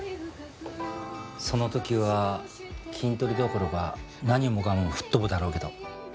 その時はキントリどころか何もかも吹っ飛ぶだろうけど。